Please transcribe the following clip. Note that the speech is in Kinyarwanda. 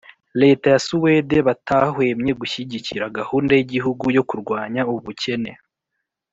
leta ya suwede batahwemye gushyigikira gahunda y'igihugu yo kurwanya ubukene